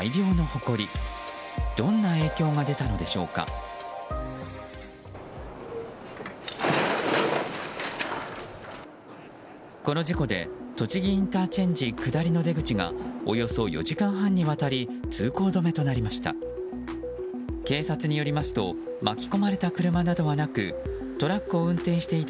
この事故で栃木ＩＣ下りの出口がおよそ４時間半にわたり通行止めとなりました。